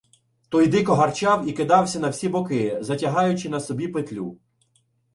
Той дико гарчав і кидався на всі боки, затягаючи на собі петлю.